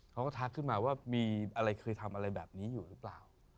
ทักขึ้นมาว่ามีอะไรเคยทำอะไรแบบนี้อยู่หรือเปล่า